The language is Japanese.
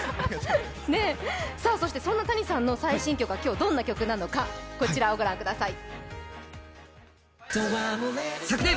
そしてそんなＴａｎｉさんの最新曲はどんな曲なのか、こちらをご覧ください。